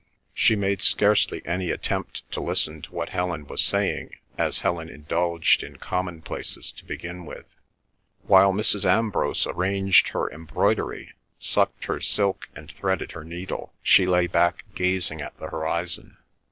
She made scarcely any attempt to listen to what Helen was saying, as Helen indulged in commonplaces to begin with. While Mrs. Ambrose arranged her embroidery, sucked her silk, and threaded her needle, she lay back gazing at the horizon.